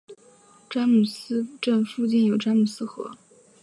詹姆斯镇附近有詹姆斯河。